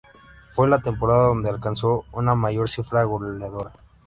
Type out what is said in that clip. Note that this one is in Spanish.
Fue la temporada donde alcanzó una mayor cifra goleadora.